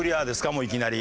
もういきなり。